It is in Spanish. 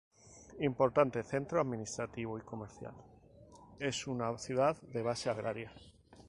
Importante centro administrativo y comercial, es una ciudad de base agraria.